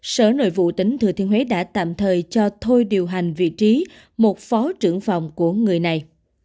sở nội vụ tỉnh thừa thiên huế đã tạm thời cho thôi điều hành vị trí một phó trưởng phòng của người này